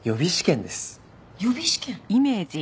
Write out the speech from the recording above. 予備試験？